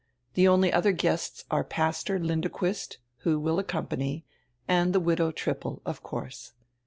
The only other guests are Pastor Lindequist, who will accompany, and the widow Trippel, of course.